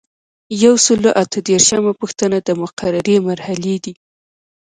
یو سل او اته دیرشمه پوښتنه د مقررې مرحلې دي.